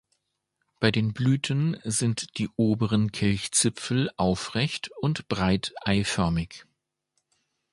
Bei den Blüten sind die oberen Kelchzipfel aufrecht und breit eiförmig.